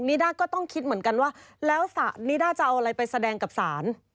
นิด้าก็ต้องคิดเหมือนกันว่าแล้วนิด้าจะเอาอะไรไปแสดงกับศาล